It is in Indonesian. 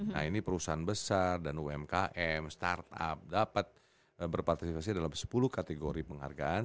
nah ini perusahaan besar dan umkm startup dapat berpartisipasi dalam sepuluh kategori penghargaan